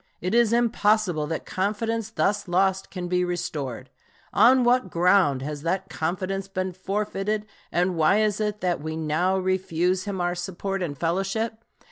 It is impossible that confidence thus lost can be restored. On what ground has that confidence been forfeited, and why is it that we now refuse him our support and fellowship?